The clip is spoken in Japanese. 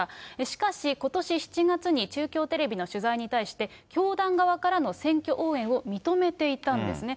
しかし、ことし７月に中京テレビの取材に対して、教団側からの選挙応援を認めていたんですね。